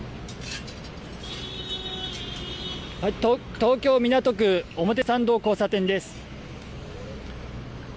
東京、港区表参道交差点です。